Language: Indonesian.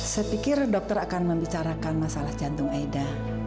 saya pikir dokter akan membicarakan masalah jantung aida